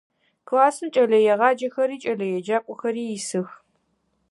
Классым кӏэлэегъаджэхэри кӏэлэеджакӏохэри исых.